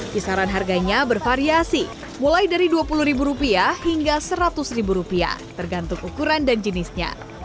kisaran harganya bervariasi mulai dari dua puluh ribu rupiah hingga seratus ribu rupiah tergantung ukuran dan jenisnya